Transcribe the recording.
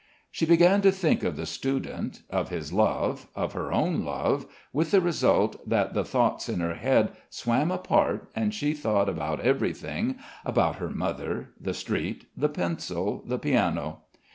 She began to think of the student, of his love, of her own love, with the result that the thoughts in her head swam apart and she thought about everything, about her mother, the street, the pencil, the piano.